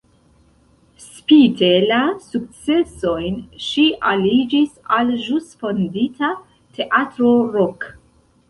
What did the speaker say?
Spite la sukcesojn ŝi aliĝis al ĵus fondita "Teatro Rock".